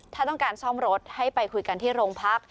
ถ้าต้องการซ่อมรถให้ไปคุยกันที่โรงพัก